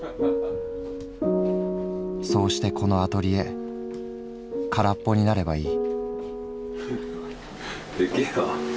そうしてこのアトリエ空っぽになればいい」。